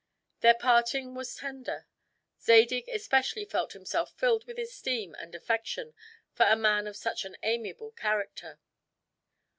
Their parting Was tender; Zadig especially felt himself filled with esteem and affection for a man of such an amiable character.